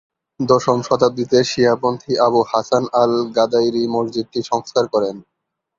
দশম শতাব্দীতে শিয়া পন্থী আবু হাসান আল-গাদাইরি মসজিদটি সংস্কার করেন।